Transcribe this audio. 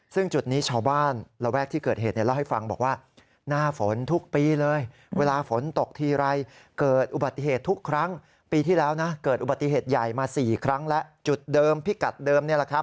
ซึ่งจุดนี้ชาวบ้าน